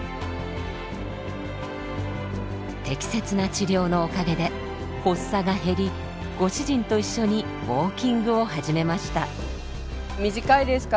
適切な治療のおかげで発作が減りご主人と一緒にウォーキングを始めました。